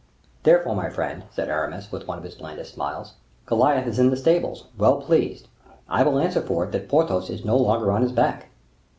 "Therefore, my friend," said Aramis, with one of his blandest smiles, "Goliath is in the stable, well pleased, I will answer for it, that Porthos is no longer on his back."